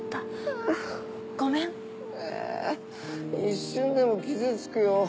一瞬でも傷つくよ。